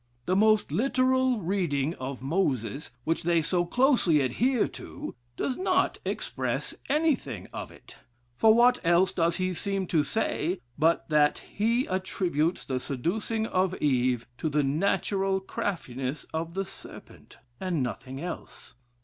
The most literal reading of Moses, which they so closely adhere to, does not express anything of it; for what else does he seem to say, but that he attributes the seducing of Eve to the natural craftiness of the serpent, and nothing else?